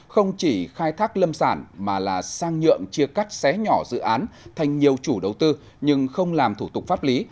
không chỉ khai thác lâm sản mà là sang nhượng chia cắt xé nhỏ dự án thành nhiều chủ đầu tư nhưng không làm thủ tục pháp lý